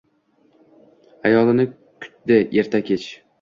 Ayolini kutdi erta-kech.